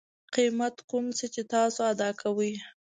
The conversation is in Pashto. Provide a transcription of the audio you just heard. قیمت کوم څه چې تاسو ادا کوئ